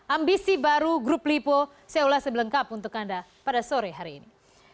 ambisi baru grup lipo saya ulas sebelengkap untuk anda pada sore hari ini